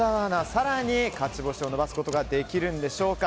更に勝ち星を伸ばすことができるのでしょうか。